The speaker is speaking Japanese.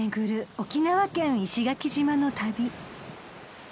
沖縄県石垣島の旅］